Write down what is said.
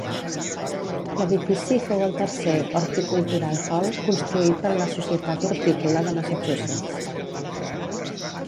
L'edifici fou el tercer "Horticultural Hall" construït per a la societat hortícola de Massachusetts.